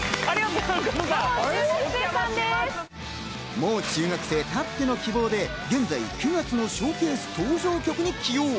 もう中学生たっての希望で現在、９月のＳＨＯＷＣＡＳＥ登場曲に起用。